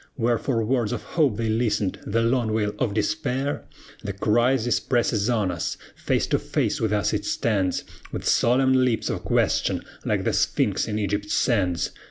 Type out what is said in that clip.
Where for words of hope they listened, the long wail of despair? The Crisis presses on us; face to face with us it stands, With solemn lips of question, like the Sphinx in Egypt's sands!